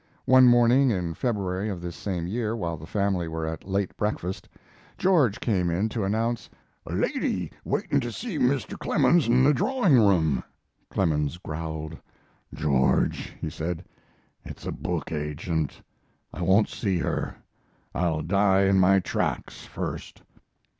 One morning in February of this same year, while the family were at late breakfast, George came in to announce "a lady waiting to see Mr. Clemens in the drawing room." Clemens growled. "George," he said, "it's a book agent. I won't see her. I'll die, in my tracks first."